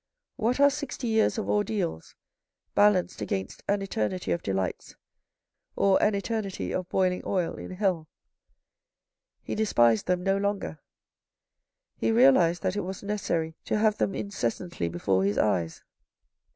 " What are sixty years of ordeals balanced against an eternity of delights or any eternity of boiling oil in hell ?" He despised them no longer. He realised that it was necessary to have them incessantly before his eyes.